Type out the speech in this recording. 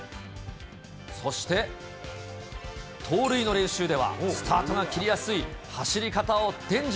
そして、盗塁の練習では、スタートが切りやすい走り方を伝授。